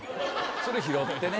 それ拾ってね。